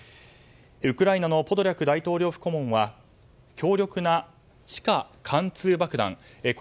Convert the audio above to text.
ウクライナのポドリャク大統領府顧問は強力な地下貫通爆弾